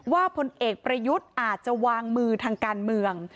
พลเอกประยุทธ์อาจจะวางมือทางการเมือง